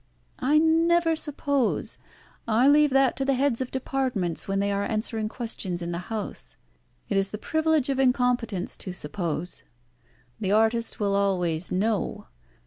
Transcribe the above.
"I never suppose. I leave that to the heads of departments when they are answering questions in the House. It is the privilege of incompetence to suppose. The artist will always know.